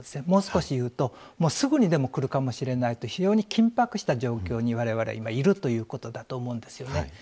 もう少し言うとすぐにでもくるかもしれないという非常に緊迫した状況にわれわれはいるということだと思うんですよね。